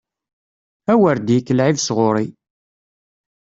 A wer d-yekk lɛib sɣur-i!